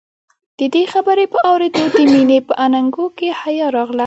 د دې خبرې په اورېدو د مينې په اننګو کې حيا راغله.